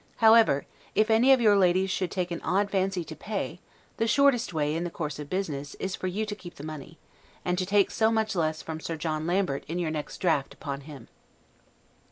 However, if any of your ladies should take an odd fancy to pay, the shortest way, in the course of business, is for you to keep the money, and to take so much less from Sir John Lambert in your next draught upon him.